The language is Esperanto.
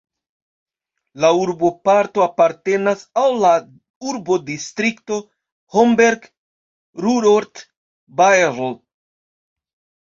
La urboparto apartenas al la urbodistrikto Homberg-Ruhrort-Baerl.